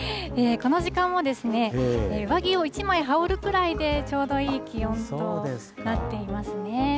この時間も上着を１枚羽織るぐらいでちょうどいい気温となっていますね。